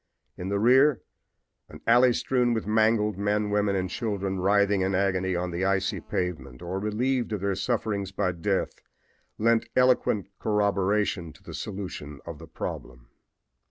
In the rear an alley strewn with mangled men, women and children writhing in agony on the icy pavement, or relieved of their sufferings by death, lent eloquent corroboration to the solution of the problem.